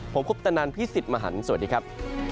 ผมคุปตนันพิศิษฐ์มหานครสวัสดีครับ